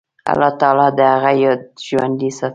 الله تعالی د هغه یاد ژوندی ساتلی.